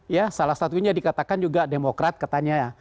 ya salah satunya dikatakan juga demokrat katanya ya